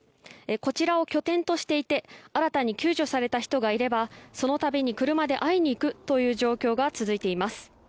こちらを拠点としていて新たに救助された人がいればその度に車で会いに行くという状況が続いています。